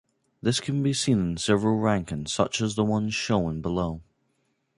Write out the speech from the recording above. This can be seen in several rankings such as the ones shown below.